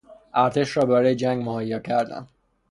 ارتش را برای جنگ مهیا کردن